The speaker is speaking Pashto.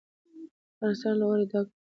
افغانستان له اوړي ډک دی.